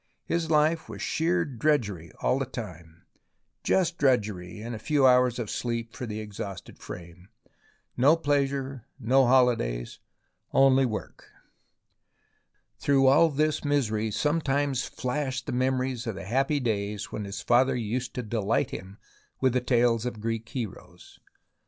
His life was sheer drudgery all the time, just drudgery and a few hours of sleep for the exhausted frame ; no pleasure, no holidays, only work. Through all his misery sometimes flashed the memories of the happy days when his father used to delight him with the tales of Greek heroes.